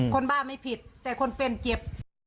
บ้าไม่ผิดแต่คนเป็นเจ็บ